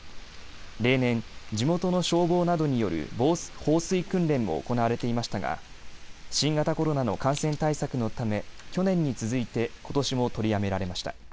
例年、地元の消防などによる放水訓練も行われていましたが新型コロナの感染対策のため去年に続いてことしも取りやめられました。